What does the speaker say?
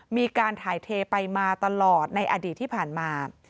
มีการถ่ายเทไปมาตลอดในอดีตที่ผ่านมา